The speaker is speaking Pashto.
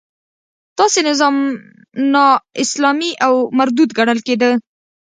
داسې نظام نا اسلامي او مردود ګڼل کېده.